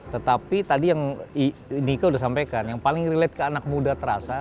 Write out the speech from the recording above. tetapi tadi yang nika sudah sampaikan yang paling relate ke anak muda terasa